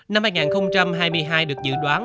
năm hai nghìn hai mươi hai được dự đoán